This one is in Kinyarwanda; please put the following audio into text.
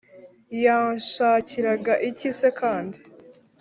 Yanshakiraga iki se kandi